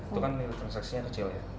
itu kan nilai transaksinya kecil ya